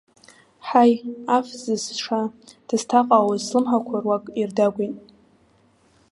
Ҳаи, аф зысша, дызҭаҟаауаз слымҳақәа руак ирдагәеит.